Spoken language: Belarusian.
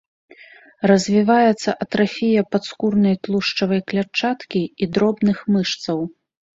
Развіваецца атрафія падскурнай тлушчавай клятчаткі і дробных мышцаў.